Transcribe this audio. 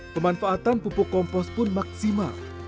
pemanfaatan pupuk kompos pun maksimal